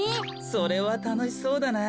それはたのしそうだな。